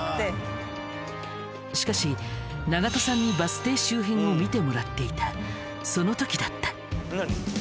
しかし長門さんにバス停周辺を見てもらっていたそのときだった。